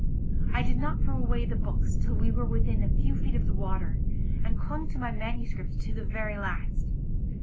I did not throw away the books till we were within a few feet of the water, and clung to my manuscripts to the very last.